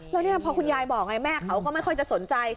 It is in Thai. แล้วเนี่ยพอคุณยายบอกไงแม่เขาก็ไม่ค่อยจะสนใจ